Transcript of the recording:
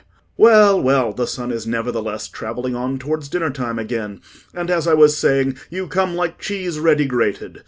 Well, well; the sun is nevertheless travelling on towards dinner time again; and, as I was saying, you come like cheese ready grated.